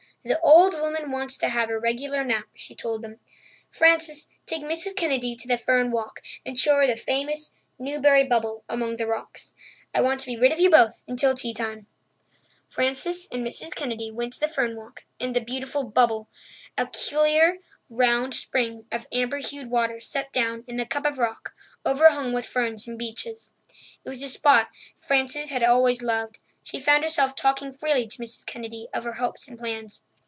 "The old woman wants to have her regular nap," she told them. "Frances, take Mrs. Kennedy to the fern walk and show her the famous 'Newbury Bubble' among the rocks. I want to be rid of you both until tea time." Frances and Mrs. Kennedy went to the fern walk and the beautiful "Bubble"—a clear, round spring of amber hued water set down in a cup of rock overhung with ferns and beeches. It was a spot Frances had always loved. She found herself talking freely to Mrs. Kennedy of her hopes and plans.